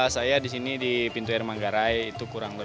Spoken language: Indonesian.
saya di sini di pintu air manggarai itu kurang lebih